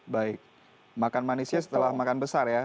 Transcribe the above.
baik makan manisnya setelah makan besar ya